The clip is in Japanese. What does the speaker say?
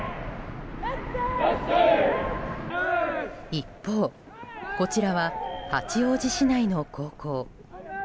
一方、こちらは八王子市内の高校。